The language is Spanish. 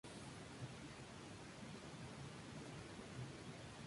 Esto fue reportado como un hito importante para Linux.